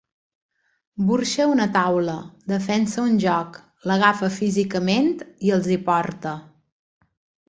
Burxa a una taula, defensa un joc, l'agafa físicament i els hi porta.